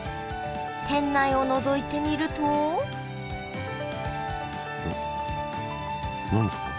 店内をのぞいてみると何ですか？